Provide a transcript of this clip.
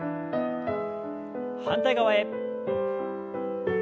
反対側へ。